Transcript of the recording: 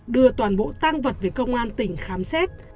đưa toàn bộ tang vật về công an tỉnh khám xét